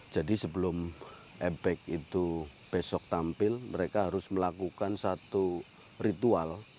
jadi sebelum ebek itu besok tampil mereka harus melakukan satu ritual